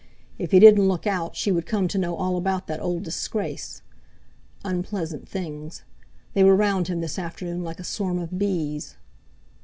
If he didn't look out, she would come to know all about that old disgrace! Unpleasant things! They were round him this afternoon like a swarm of bees!